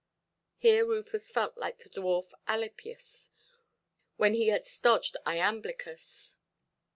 Here Rufus felt like the dwarf Alypius, when he had stodged Iamblichus.